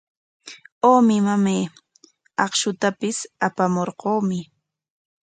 Awmi, mamay, akshutapis apamurquumi.